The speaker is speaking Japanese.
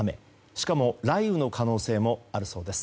しかも雷雨の可能性もあるそうです。